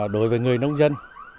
đối với người nông dân